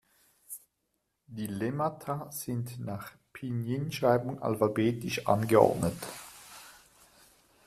Die Lemmata sind nach Pinyin-Schreibung alphabetisch angeordnet.